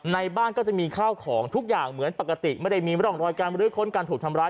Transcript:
ในบ้านก็จะมีข้าวของทุกอย่างเหมือนปกติไม่ได้มีร่องรอยการบรื้อค้นการถูกทำร้าย